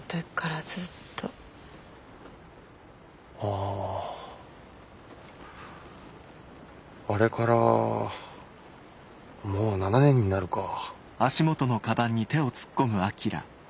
あれからもう７年になるかぁ。